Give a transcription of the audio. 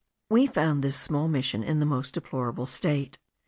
We found this small Mission in the most deplorable state.